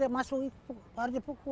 tapiai tidak pakai agar bergabungan